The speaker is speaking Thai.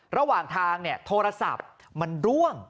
ระหว่างทางนะธอราศัพท์มันล่วง